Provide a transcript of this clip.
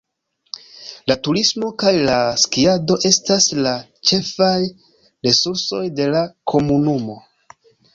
La turismo kaj la skiado estas la ĉefaj resursoj de la komunumo.